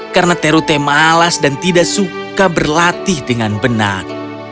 karena terute malas dan tidak suka berlatih dengan benar